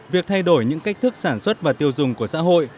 việc thay đổi những cách thức sản xuất và tiêu dùng của xã hội